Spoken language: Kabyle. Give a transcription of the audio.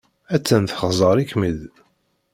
Attan txeẓẓer-ikem-id.